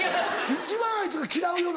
一番あいつが嫌うような。